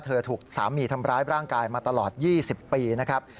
ถูกสามีทำร้ายร่างกายมาตลอด๒๐ปีนะครับ